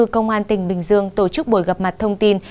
ngày ba bốn công an tỉnh bình dương tổ chức buổi gặp mặt thông tin